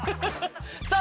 さあ